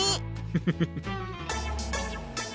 フフフ。